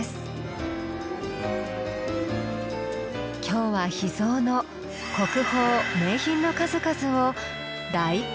今日は秘蔵の国宝・名品の数々を大公開。